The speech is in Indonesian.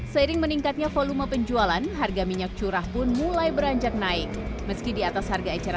seiring meningkatnya volume penjualan harga minyak curah pun mulai beranjak naik meski di atas harga eceran